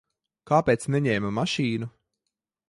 Kāpēc neņēma mašīnu?